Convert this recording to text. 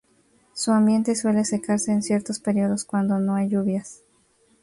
Su ambiente suele secarse en ciertos periodos cuando no hay lluvias.